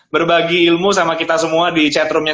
berbagi ilmu sama kita semua di chatroomnya